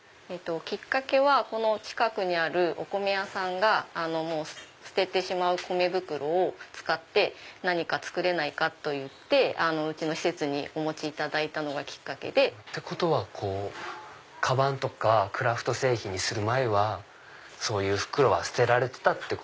きっかけはこの近くにあるお米屋さんが捨ててしまう米袋を使って何か作れないか？といってうちの施設にお持ちいただいたのがきっかけ。ってことはカバンとかクラフト製品にする前はそういう袋は捨てられてた。